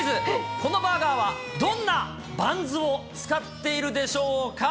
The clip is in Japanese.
このバーガーはどんなバンズを使っているでしょうか。